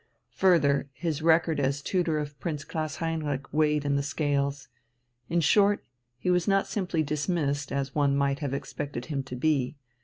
Further, his record as tutor of Prince Klaus Heinrich weighed in the scales. In short, he was not simply dismissed, as one might have expected him to be.